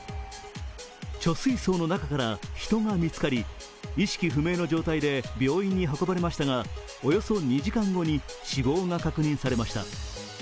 貯水槽の中から人が見つかり、意識不明の状態で病院に運ばれましたがおよそ２時間後に死亡が確認されました。